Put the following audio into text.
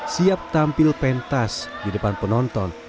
siap tampil pentas di depan penonton